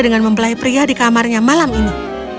dengan mempelai pria di kamarnya malam ini